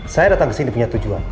saya datang kesini punya tujuan